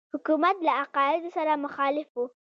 حکومت له عقایدو سره مخالف وو.